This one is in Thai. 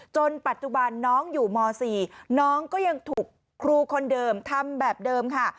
จนปัจจุบันน้องอยู่ม๔น้องก็ยังถูกครูคนเดิมทำแบบเดิมค่ะ